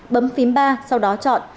bấm phím ba sau đó chọn